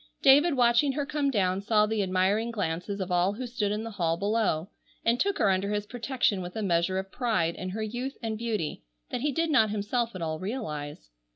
David watching her come down saw the admiring glances of all who stood in the hall below, and took her under his protection with a measure of pride in her youth and beauty that he did not himself at all realize.